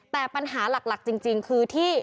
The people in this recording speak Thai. แต่ปัญหาหลักจริงคือที่